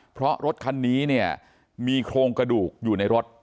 เพราะรถคันนี้เนี่ยมีโครงกระดูกอยู่ในรถ